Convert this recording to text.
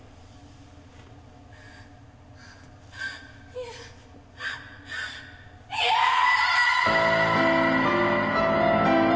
いやいやー！